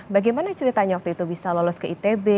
bagaimana ceritanya waktu itu bisa lolos ke itb